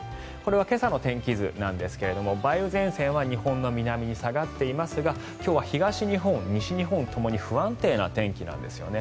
今朝の天気図なんですが梅雨前線は日本の南に下がっていますが今日は東日本、西日本ともに不安定な天気なんですよね。